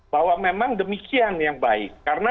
bahwa memang demikian yang baik karena